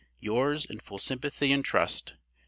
Yours, in full sympathy and trust, WM.